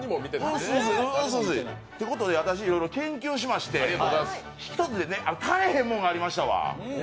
ということで私、いろいろ研究しまして、一つ、足らへんものがありましたわ。